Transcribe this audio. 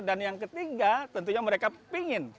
dan yang ketiga tentunya mereka ingin